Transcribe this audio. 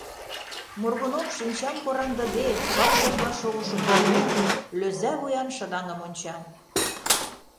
Моргунов шинчам кораҥдыде пырдыжла шогышо кугу, лӧза вуян шыдаҥым онча.